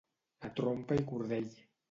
A trompa i cordell.